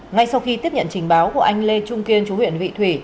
ngay sau khi tiếp nhận trình báo của anh lê trung kiên chú huyện vị thủy